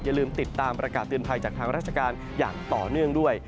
อย่าลืมติดตามประกาศเตือนภัยจากทางราชการอย่างต่อเนื่องด้วย